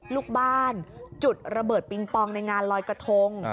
ลูกบ้านจุดระเบิดปิงปองในงานลอยกระทง